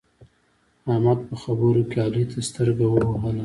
احمد په خبرو کې علي ته سترګه ووهله.